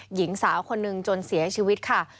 หญิงสาวคนหนึ่งจนเสียชีวิตค่ะ